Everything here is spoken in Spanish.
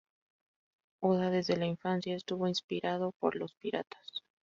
Oda desde la infancia estuvo inspirado por los piratas.